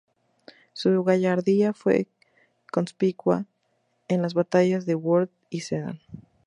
Su gallardía fue conspicua en las batallas de Worth y Sedan.